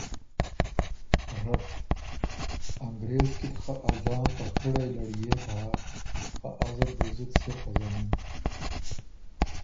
رټ: انګرېز کی ت خه ا ځان په خیړئ لړيېک هۀ خه ازت بُو زُت سِر پزنِم۔